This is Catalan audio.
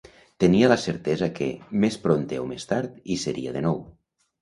Tenia la certesa que, més prompte o més tard, hi seria de nou.